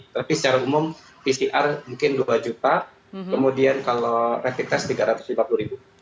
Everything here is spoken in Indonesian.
tapi secara umum pcr mungkin dua juta kemudian kalau rapid test tiga ratus lima puluh ribu